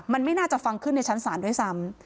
มันไม่น่าจะฟังขึ้นในชั้นศาลด้วยซ้ำ